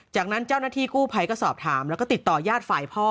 จากนั้นเจ้าหน้าที่กู้ภัยก็สอบถามแล้วก็ติดต่อญาติฝ่ายพ่อ